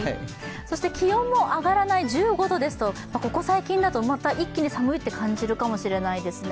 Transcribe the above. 気温も上がらない、１５度ですと、ここ最近だとまた一気に寒いと感じるかもしれないですね。